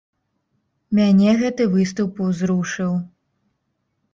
Мяне гэты выступ узрушыў!